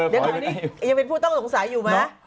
ตอนนี้เธอเป็นผู้จัดสงสัยอยู่ไหม